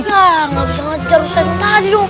gak bisa ngajar ustadz tadi dong